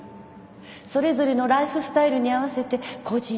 それぞれのライフスタイルに合わせて故人をしのぶ